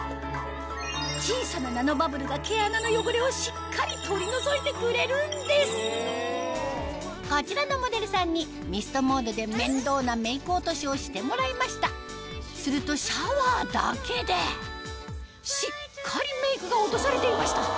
小さなナノバブルが毛穴の汚れをしっかり取り除いてくれるんですこちらのモデルさんにをしてもらいましたするとシャワーだけでしっかりメイクが落とされていました